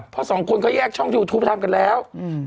เพราะสองคนเขาแยกช่องยูทูปทำกันแล้ว